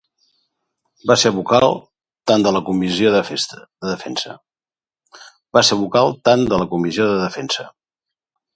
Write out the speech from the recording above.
Va ser vocal tant de la Comissió de Defensa.